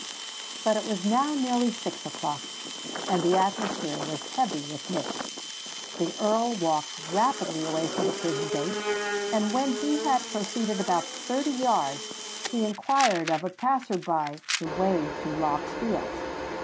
But it was now nearly six o'clock; and the atmosphere was heavy with mist. The Earl walked rapidly away from the prison gate; but when he had proceeded about thirty yards, he inquired of a passer by the way to Lock's Fields.